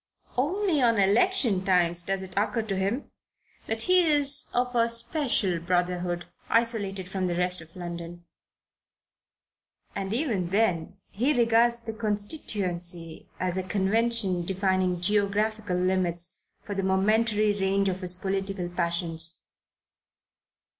Only at election times does it occur to him that he is one of a special brotherhood, isolated from the rest of London; and even then he regards the constituency as a convention defining geographical limits for the momentary range of his political passions.